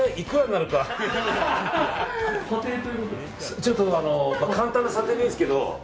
ちょっと簡単な査定でいいんですけど。